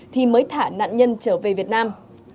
thì mới thả nạn nhân trở về việt nam